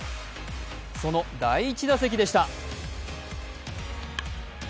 その第１打席でした。